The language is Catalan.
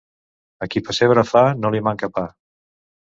A qui pessebre fa, no li manca pa.